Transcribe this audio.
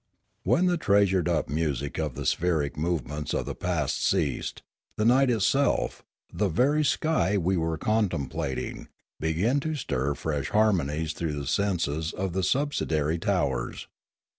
When the treasured up music of the spheric move ments of the past ceased, the night itself, the very sky we were contemplating began to stir fresh harmonies through the lenses of the subsidiary towers.